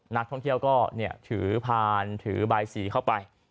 นักท่องเที่ยวก็ถือพานถือบายสีเข้าไป